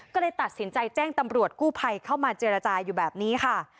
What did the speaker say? ก็เลยตัดสินใจแจ้งตำรวจกู้ภัยเข้ามาเจรจาอยู่แบบนี้ค่ะ